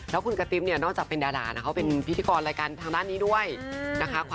แล้วคุณกะติ๊บเนี่ยนอกจากเป็นดารานะเขาเป็นพิธีกรรายการทางด้านนี้ด้วยนะคะ